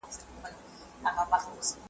مُلا کوټوال وي مُلا ډاکتر وي .